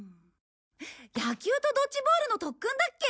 野球とドッジボールの特訓だっけ？